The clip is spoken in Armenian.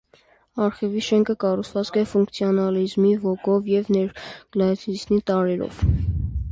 Արխիվի շենքը կառուցված է ֆունկցիոնալիզմի ոգով և նեոկլասիցիզմի տարրերով։